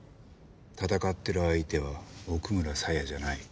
戦ってる相手は奥村紗耶じゃない。